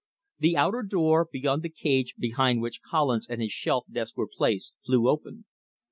The outer door, beyond the cage behind which Collins and his shelf desk were placed, flew open.